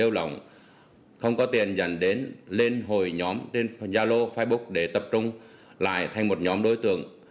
qua tiền dành đến lên hồi nhóm trên gia lô facebook để tập trung lại thành một nhóm đối tượng